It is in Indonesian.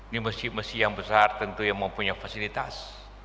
di masjid masjid yang besar tentu yang mempunyai fasilitas